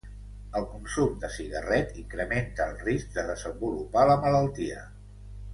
El consum de cigarret incrementa el risc de desenvolupar la malaltia.